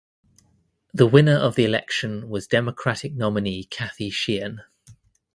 The winner of the election was Democratic nominee Kathy Sheehan.